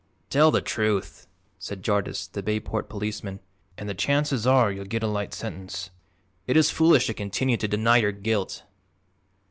"Tell the truth," said Jardyce, the Bayport policeman, "and the chances are you'll get a light sentence. It is foolish to continue to deny your guilt."